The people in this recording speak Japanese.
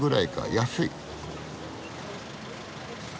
安い。